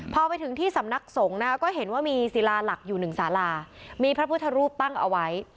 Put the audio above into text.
พอไปถึงที่สำนักสงฆ์นะคะก็เห็นว่ามีศิลาหลักอยู่หนึ่งสารามีพระพุทธรูปตั้งเอาไว้